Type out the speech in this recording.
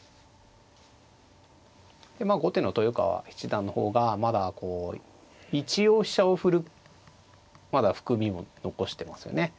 まあ後手の豊川七段の方がまだ一応飛車を振るまだ含みを残してますよね。